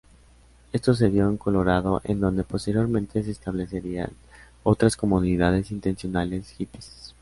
Esto se dio en Colorado en donde posteriormente se establecerían otras comunidades intencionales "hippies".